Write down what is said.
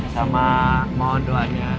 sama mohon doanya